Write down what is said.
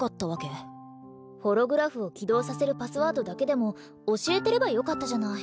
ホログラフを起動させるパスワードだけでも教えてればよかったじゃない。